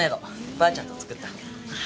ばあちゃんと作った。